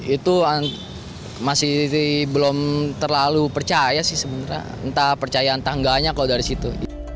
itu masih belum terlalu percaya sih sebenarnya entah percaya entah enggaknya kalau dari situ